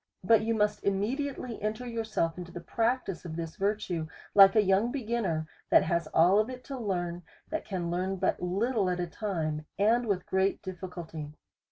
But you must immediately enter your self into the practice of this virtue, like a young be ginner, that has all of it to learn, that can learn but little at a time, and with great difficulty.